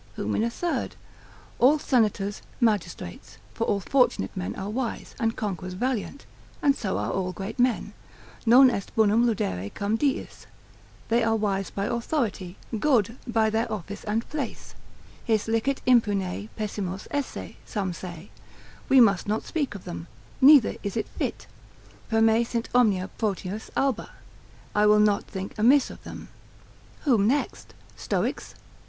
Whom in a third? all senators, magistrates; for all fortunate men are wise, and conquerors valiant, and so are all great men, non est bonum ludere cum diis, they are wise by authority, good by their office and place, his licet impune pessimos esse, (some say) we must not speak of them, neither is it fit; per me sint omnia protinus alba, I will not think amiss of them. Whom next? Stoics?